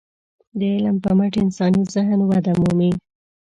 د علم په مټ انساني ذهن وده مومي.